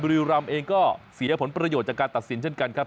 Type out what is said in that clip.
บุรีรำเองก็เสียผลประโยชน์จากการตัดสินเช่นกันครับ